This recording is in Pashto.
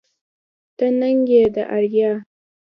ته ننگ يې د اريا